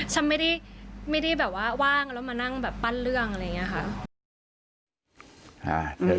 ฉันไม่ได้แบบว่าว่างแล้วมานั่งแบบปั้นเรื่องอะไรอย่างนี้ค่ะ